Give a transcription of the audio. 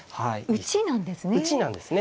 打ちなんですね。